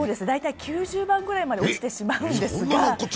大体９０番ぐらいまで落ちてしまうんですが。